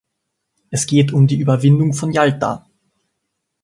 Es geht um die Überwindung von Jalta.